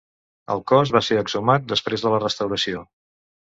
El cos va ser exhumat després de la restauració.